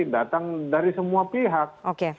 datang dari semua pihak